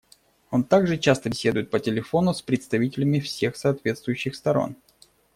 Он также часто беседует по телефону с представителями всех соответствующих сторон.